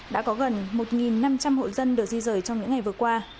đã có gần một năm trăm linh hộ dân được di rời trong những ngày vừa qua